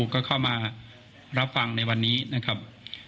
ก็เข้ามารับฟังในวันนี้นะครับ